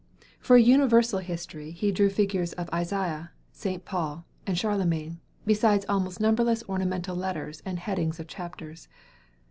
For a universal history he drew figures of Isaiah, St. Paul, and Charlemagne, besides almost numberless ornamental letters and headings of chapters.